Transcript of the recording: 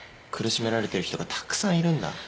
苦しめられてる人がたくさんいるんだ。